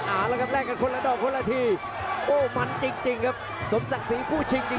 เอาละครับแลกกันคนละดอกคนละทีโอ้มันจริงครับสมศักดิ์ศรีคู่ชิงจริง